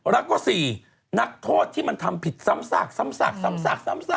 แล้วก็๔นักโทษที่มันทำผิดซ้ำซาก